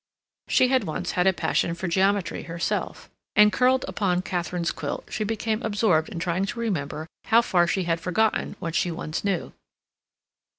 She had once had a passion for geometry herself, and, curled upon Katharine's quilt, she became absorbed in trying to remember how far she had forgotten what she once knew.